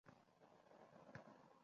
Qani, kelajakda kim bo‘lmoqchisiz?